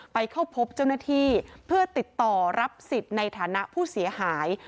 ไปเข้าพบเจ้าหน้าที่เพื่อติดต่อรับสิทธิ์ในฐานะผู้เสียหาย